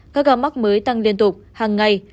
các gặp mắc mới tăng liên tục hàng ngày